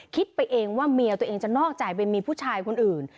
คิดไปเองว่าเมียตัวเองจะนอกใจไปมีผู้ชายคนอื่น